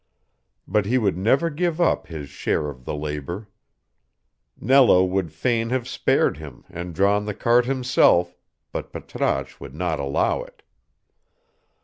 But he would never give up his share of the labor. Nello would fain have spared him and drawn the cart himself, but Patrasche would not allow it.